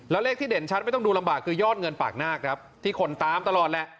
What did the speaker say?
แล้วเลขที่เด่นชัดไม่ต้องดูลำบากคือยอดเงินปากนาคครับที่คนตามตลอดแหละ